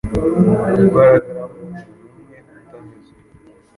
Kugaragara nkumuntu umwe, Utanyuzwe